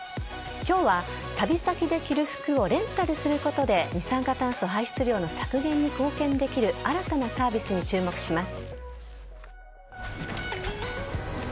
今日は、旅先で着る服をレンタルすることで二酸化炭素排出量の削減に貢献できる新たなサービスに注目します。